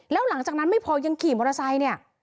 แล้วหลังจากนั้นไม่พอยังขี่มอเตอร์ไซค์เนี่ย